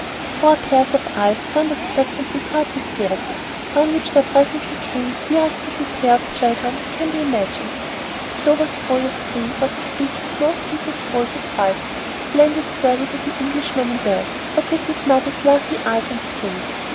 Four pairs of eyes turned expectantly toward the staircase, down which there presently came the dearest little pair of children that can be imagined. Clover's boy of three was as big as most people's boys of five, a splendid sturdy little Englishman in build, but with his mother's lovely eyes and skin.